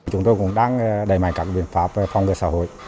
chúng tôi cũng đang đẩy mạnh các biện pháp phòng ngừa xã hội